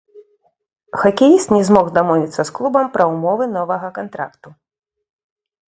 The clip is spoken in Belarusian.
Хакеіст не змог дамовіцца з клубам пра ўмовы новага кантракту.